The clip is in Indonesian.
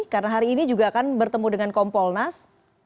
karena hari ini juga akan bertemu dengan kompolnas